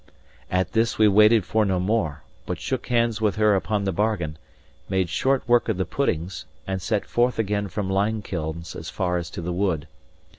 At this we waited for no more, but shook hands with her upon the bargain, made short work of the puddings, and set forth again from Limekilns as far as to the wood.